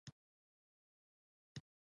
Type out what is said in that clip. آیا شپون د رمو ساتونکی نه دی؟